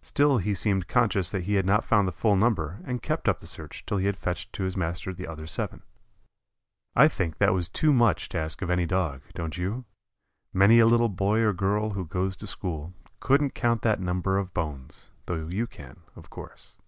Still he seemed conscious that he had not found the full number and kept up the search till he had fetched to his master the other seven. I think that was too much to ask of any Dog, don't you? Many a little boy or girl who goes to school couldn't count that number of bones, though you can, of course.